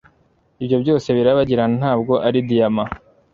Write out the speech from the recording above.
Ibyo byose birabagirana ntabwo ari diyama